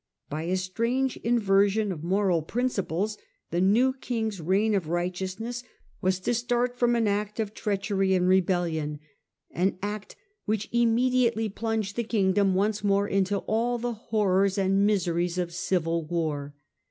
By a strange inversion of moral principles the new king's reign of righteousness was to start from an act of treachery and CM n ^\ Digitized by VjiOOQlC ~> 178 HiLDEBRAND rebellion : an act which immediately plunged the king dom once more into all the horrors and miseries of civil war.